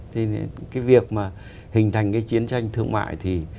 thế thì cái việc mà hình thành cái chiến tranh thương mại thì